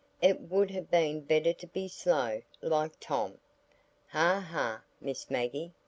It would have been better to be slow, like Tom. "Ha, ha! Miss Maggie!"